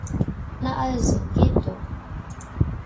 Na also, geht doch!